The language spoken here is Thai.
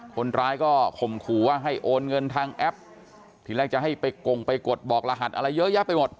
คนร้ายก็ข่มขู่ว่าให้โอนเงินทางแอปทีแรกจะให้ไปกงไปกดบอกรหัสอะไรเยอะแยะไปหมด